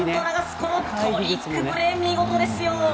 このトリックプレー見事ですよ。